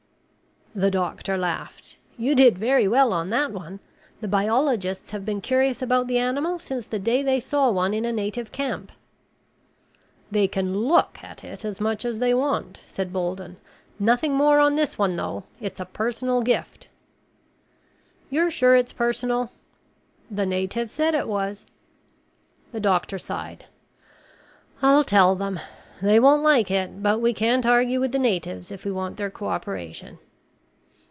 The doctor laughed. "You did very well on that one. The biologists have been curious about the animal since the day they saw one in a native camp." "They can look at it as much as they want," said Bolden. "Nothing more on this one, though. It's a personal gift." "You're sure it's personal?" "The native said it was." The doctor sighed. "I'll tell them. They won't like it, but we can't argue with the natives if we want their cooperation."